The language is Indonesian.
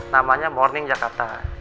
namanya morning jakarta